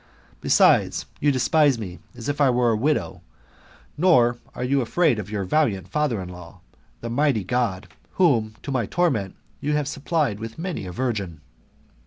Besides, you despise me as if I were a widow; nor are you afraid of your valiant father in law, the mighty warrior God, whom, to my torment, you have supplied wi^ many a virgin.